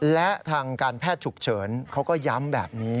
และทางการแพทย์ฉุกเฉินเขาก็ย้ำแบบนี้